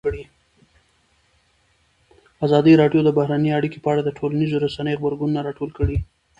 ازادي راډیو د بهرنۍ اړیکې په اړه د ټولنیزو رسنیو غبرګونونه راټول کړي.